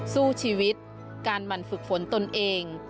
สู้ชีวิตการหมั่นฝึกฝนตนเอง